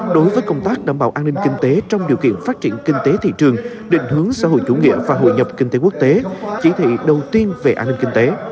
đối với công tác đảm bảo an ninh kinh tế trong điều kiện phát triển kinh tế thị trường định hướng xã hội chủ nghĩa và hội nhập kinh tế quốc tế chỉ thị đầu tiên về an ninh kinh tế